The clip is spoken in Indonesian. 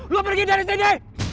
lu pergi dari sini